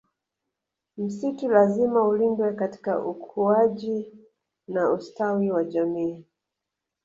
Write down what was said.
Msitu lazima ulindwe katika ukuaji na ustawi wa jamii